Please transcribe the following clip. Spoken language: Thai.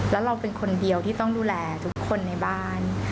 แล้วเราเป็นคนเดียวที่ต้องดูแลทุกคนในบ้าน